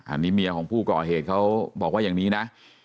อันนี้เมียของผู้ก่อเหตุเขาบอกว่าอย่างนี้นะ